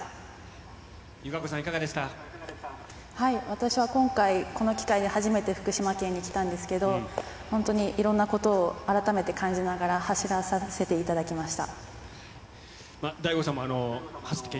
私は今回、この機会で初めて福島県に来たんですけど、本当にいろんなことを改めて感じながら走らさせていただきました。